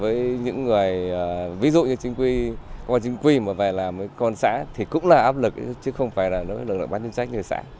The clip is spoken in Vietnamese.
với những người ví dụ như chính quy công an chính quy mà về làm với con xã thì cũng là áp lực chứ không phải là nội lực bán chứng sách như xã